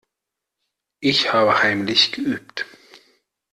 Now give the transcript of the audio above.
Ich habe heimlich geübt.